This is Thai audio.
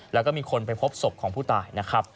แล้วก็มีคนไปพบศพของผู้ตาย